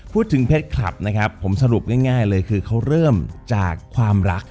เพชรคลับนะครับผมสรุปง่ายเลยคือเขาเริ่มจากความรัก